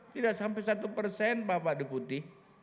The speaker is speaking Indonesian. tidak sampai satu pak pak deputi